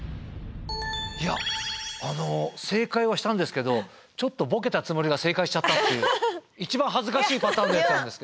いや正解はしたんですけどちょっとボケたつもりが正解しちゃったっていう一番恥ずかしいパターンのやつなんです。